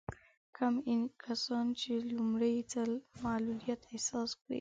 کوم کسان چې لومړی ځل معلوليت احساس کړي.